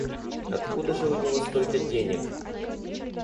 Откуда же у него столько денег?